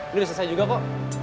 ini udah selesai juga kok